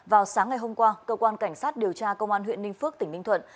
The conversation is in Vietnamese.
vào sáng ngày hôm qua cơ quan cảnh sát điều tra công an huyện ninh phước tỉnh ninh thuận